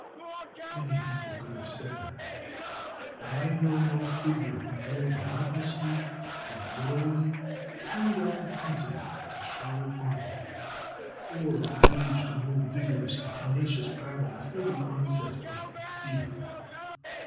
Many people could have said that, but I know no figure who more relentlessly and loyally carried out the principle than Charlotte Bronte, or who waged a more vigorous and tenacious battle with every onset of fear.